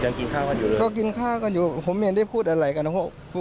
กินข้าวกันอยู่เลยก็กินข้าวกันอยู่ผมเห็นได้พูดอะไรกันนะครับ